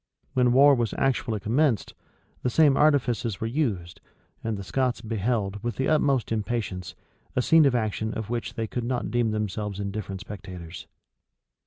[*] When war was actually commenced, the same artifices were used, and the Scots beheld, with the utmost impatience, a scene of action of which they could not deem themselves indifferent spectators.